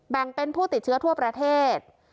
แบ่งเป็นผู้ติดเชื้อทั่วประเทศ